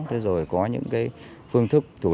và có những phương thức thủ đoạn